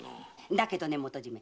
だけどね元締。